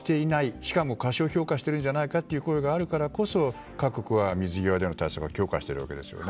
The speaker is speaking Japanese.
しかも過小評価をしてるんじゃないかという声があるからこそ各国は水際での対策を強化しているわけですね。